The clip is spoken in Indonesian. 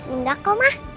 enggak kok mah